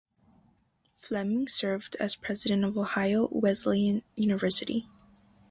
Flemming served as president of Ohio Wesleyan University.